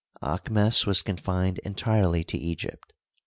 Aahmes was confined entirely to Egypt.